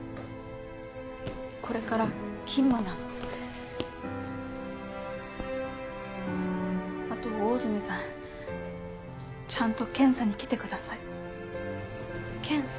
これから勤務なのであと魚住さんちゃんと検査に来てください検査？